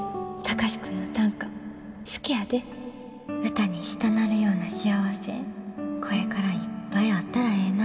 歌にしたなるような幸せこれからいっぱいあったらええな。